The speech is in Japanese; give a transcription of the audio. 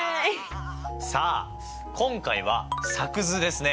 さあ今回は作図ですね！